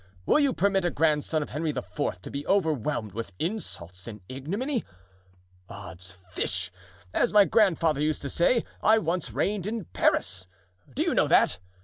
will you permit a grandson of Henry IV. to be overwhelmed with insults and ignominy? "Odds fish! as my grandfather used to say, I once reigned in Paris! do you know that?